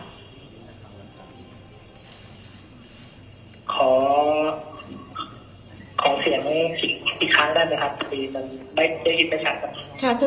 ขอเสียงกันอีกครั้งได้ไหมมันคิดกันไม่ชัด